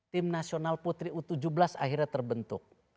tim nasional putri u tujuh belas akhirnya terbentuk